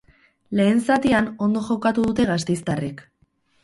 Lehen zatian ondo jokatu dute gasteiztarrek.